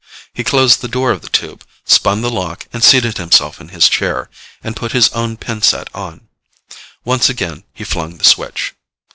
He closed the door of the tube, spun the lock, seated himself in his chair, and put his own pin set on. Once again he flung the switch.